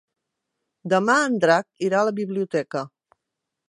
Demà en Drac irà a la biblioteca.